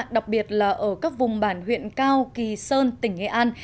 đặc biệt là ở các vùng bản huyện cao kỳ sơn tỉnh nghệ an